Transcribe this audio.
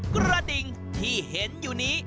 กระดิ่งที่เห็นอยู่นี้